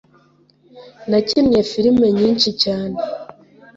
Nakinnye firime nyinshi cyane